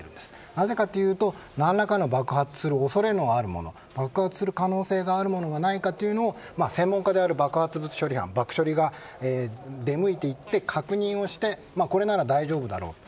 なぜかというと何らかの爆発のあるおそれがあるもの爆発する可能性があるものがないか専門家である爆発物処理班が出向いていって確認をしてこれなら大丈夫だろうと。